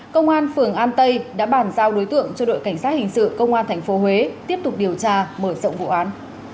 công an phường an tây đã bản giao đối tượng cho đội cảnh sát hình sự công an thành phố huế tiếp tục điều tra mở rộng vụ án